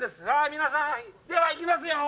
皆さん、では行きますよ！